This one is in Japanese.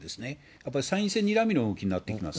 やっぱり参院選にらみの動きになってきますね。